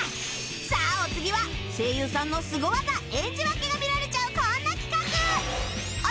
さあお次は声優さんのスゴ技演じ分けが見られちゃうこんな企画！